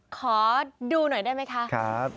ขอดูหน่อยได้ไหมคะ